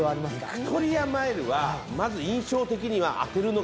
ヴィクトリアマイルはまず印象的には当てるのが難しい。